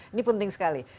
ini penting sekali